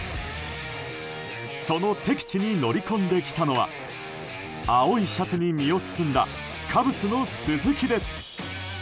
その敵地に乗り込んできたのは青いシャツに身を包んだカブスの鈴木です。